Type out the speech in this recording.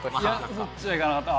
いやそっちにはいかなかった。